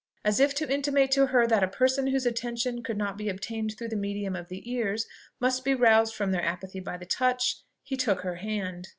As if to intimate to her that a person whose attention could not be obtained through the medium of the ears must be roused from their apathy by the touch, he took her hand.